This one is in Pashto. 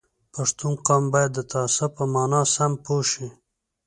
پښتون قوم باید د تعصب په مانا سم پوه شي